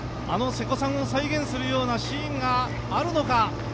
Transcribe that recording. あの瀬古さんを再現するようなシーンがあるのか。